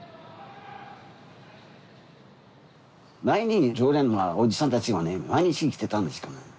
前に常連のおじさんたちがね毎日来てたんですけどね。